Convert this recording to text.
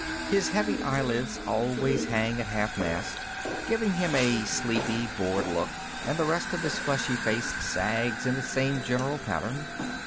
His heavy eyelids always hang at half mast, giving him a sleepy, bored look and the rest of his fleshy face sags in the same general pattern.